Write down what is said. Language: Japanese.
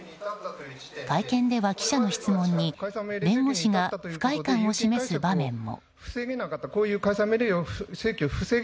会見では、記者の質問に弁護士が不快感を示す場面も。